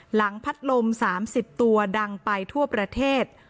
หลังพัดลม๓๐ตัวดังไปทั่วประเทศ